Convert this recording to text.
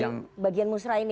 di bagian musrah ini